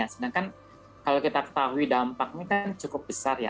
sedangkan kalau kita ketahui dampak ini kan cukup besar ya